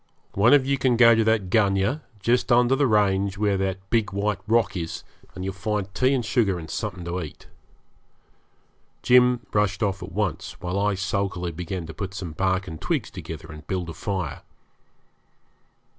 One of you can go to that gunyah, just under the range where that big white rock is, and you'll find tea and sugar and something to eat.' Jim rushed off at once, while I sulkily began to put some bark and twigs together and build a fire.